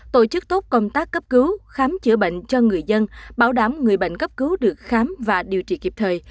tổ chức tốt công tác cấp cứu khám chữa bệnh cho người dân bảo đảm người bệnh cấp cứu được khám và điều trị kịp thời